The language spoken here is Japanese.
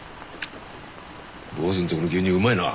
坊主んとこの牛乳うまいな。